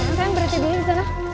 mana kan berarti dia disana